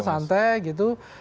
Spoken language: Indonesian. santai gitu mas